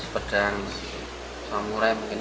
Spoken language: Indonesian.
pedang samurai mungkin